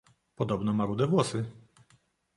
"Podobno ma rude włosy?"